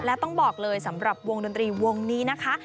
และต้องบอกเลยสำหรับวงดนตรีวงนี้นะคะ